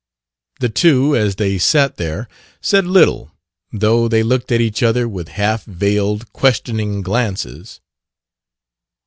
The two, as they sat there, said little, though they looked at each other with half veiled, questioning glances.